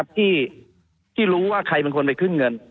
ที่รู้ว่าใครเป็นคนไปขึ้นเงิน